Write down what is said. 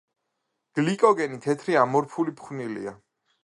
გლიკოგენი თეთრი ამორფული ფხვნილია.